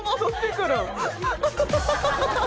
ハハハハ！